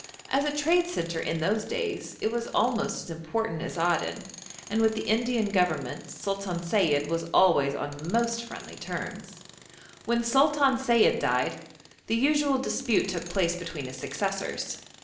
As a trade centre in those days it was almost as important as Aden, and with the Indian Government Sultan Sayid was always on most friendly terms. When Sultan Sayid died, the usual dispute took place between his successors.